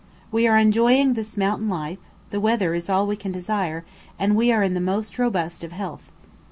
We are enjoying this mountain life; the weather is all we can desire, and we are in the most robust of health.